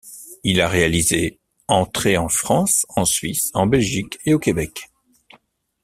Il a réalisé entrées en France, en Suisse, en Belgique et au Québec.